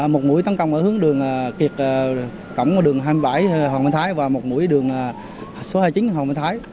một mũi tấn công ở hướng đường kiệt cổng đường hai mươi bảy hoàng minh thái và một mũi đường số hai mươi chín hoàng minh thái